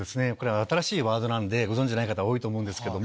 新しいワードなのでご存じない方多いと思うんですけど。